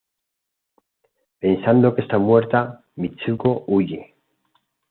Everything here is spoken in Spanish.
Pensando que está muerta, Mitsuko huye.